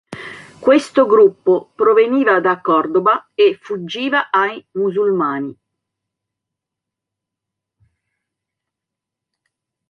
Questo gruppo proveniva da Cordova e fuggiva ai musulmani.